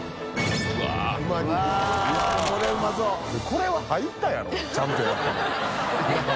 これは入ったやろちゃんとやっても。